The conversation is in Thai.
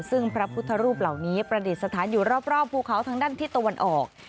ซึ่งพระพุทธรูปเหล่านี้ประดิษฐานอยู่รอบภูเขาทางด้านทิศตะวันออก